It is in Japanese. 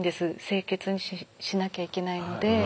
清潔にしなきゃいけないので。